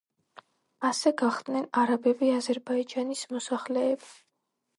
ასე გახდნენ არაბები აზერბაიჯანის მოსახლეები.